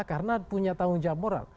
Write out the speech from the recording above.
karena punya tanggung jawab moral